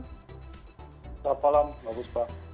selamat malam bagus pak